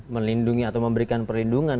melindungi atau memberikan perlindungan